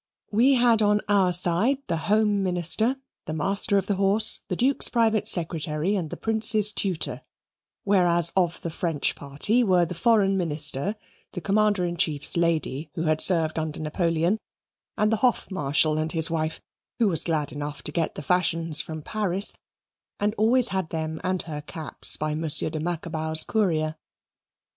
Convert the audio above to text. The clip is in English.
We had on our side the Home Minister, the Master of the Horse, the Duke's Private Secretary, and the Prince's Tutor; whereas of the French party were the Foreign Minister, the Commander in Chief's Lady, who had served under Napoleon, and the Hof Marschall and his wife, who was glad enough to get the fashions from Paris, and always had them and her caps by M. de Macabau's courier.